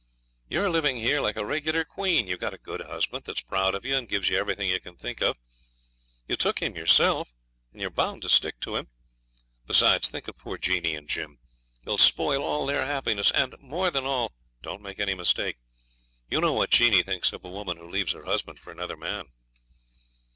You're living here like a regular queen. You've got a good husband, that's proud of you and gives you everything you can think of. You took him yourself, and you're bound to stick to him. Besides, think of poor Jeanie and Jim. You'll spoil all their happiness; and, more than all don't make any mistake you know what Jeanie thinks of a woman who leaves her husband for another man.'